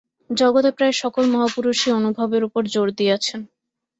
জগতে প্রায় সকল মহাপুরুষই অনুভবের উপর জোর দিয়াছেন।